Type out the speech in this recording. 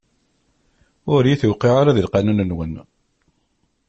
Ur iyi-tuqiɛ ara di lqanun-nwen.